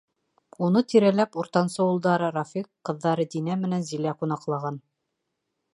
Уны тирәләп уртансы улдары Рафиҡ, ҡыҙҙары Динә менән Зилә ҡунаҡлаған.